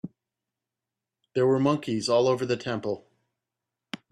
There were monkeys all over the temple.